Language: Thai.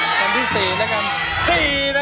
แผ่นที่๔นะครับ